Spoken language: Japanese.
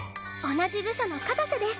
同じ部署の片瀬です。